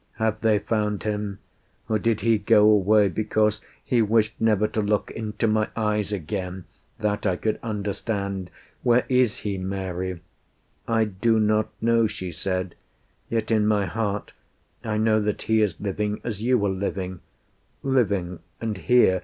"Have they found Him? Or did He go away because He wished Never to look into my eyes again? ... That, I could understand. ... Where is He, Mary?" "I do not know," she said. "Yet in my heart I know that He is living, as you are living Living, and here.